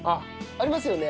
ありますね。